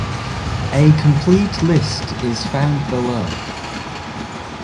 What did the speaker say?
A complete list is found below.